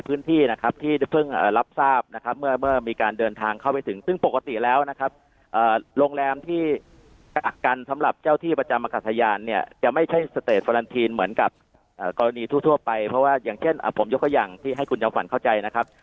พรุ้งแต่นกรุณีทั่วไปเพราะว่าอย่างเช่นผมยกะย่างที่ให้คุณเยาว์ฝันเข้าใจนะครับ